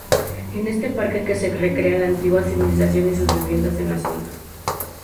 En este parque se recrea la antigua civilización y sus viviendas en la zona.